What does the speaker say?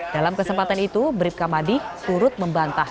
dalam kesempatan itu bribka madi turut membantah